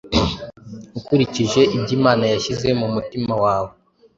ukurikije ibyo Imana yashyize mu mutima wawe,